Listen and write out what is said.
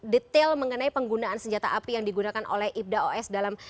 detail mengenai penggunaan senjata api yang digunakan oleh ibda os dalam